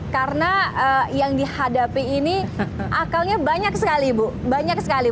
karena yang dihadapi ini akalnya banyak sekali ibu banyak sekali